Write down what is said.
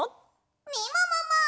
みももも！